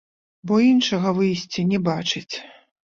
Бо іншага выйсця не бачыць.